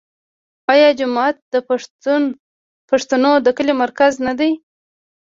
آیا جومات د پښتنو د کلي مرکز نه وي؟